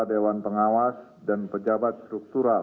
dewan pengawas dan pejabat struktural